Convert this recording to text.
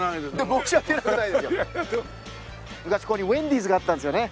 昔ここにウェンディーズがあったんですよね。